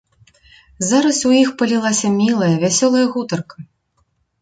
Зараз у іх палілася мілая, вясёлая гутарка.